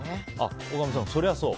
大神さん、そりゃそう？